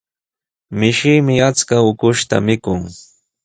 Mishimi achka ukushta mikun.